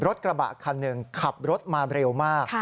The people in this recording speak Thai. รถกระบะคันหนึ่งขับรถมาเร็วมาก